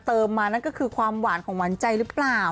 มานั่นก็คือความหวานของหวานใจหรือเปล่า